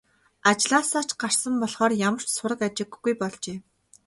Ажлаасаа ч гарсан болохоор ямар ч сураг ажиггүй болжээ.